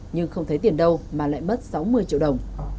nhưng không thấy tiền đâu mà lại mất sáu mươi triệu đồng